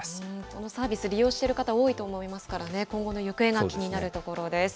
このサービス、利用している方も多いと思いますからね、今後の行方が気になるところです。